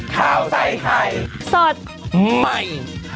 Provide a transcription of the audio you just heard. โปรดติดตามตอนต่อไป